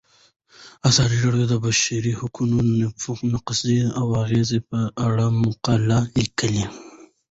ازادي راډیو د د بشري حقونو نقض د اغیزو په اړه مقالو لیکلي.